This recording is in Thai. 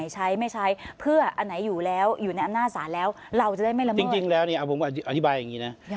จริงถึงแล้วเนี่ยเอาผมอธิบายอย่างนี้นะ